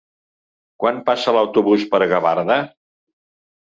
Quan passa l'autobús per Gavarda?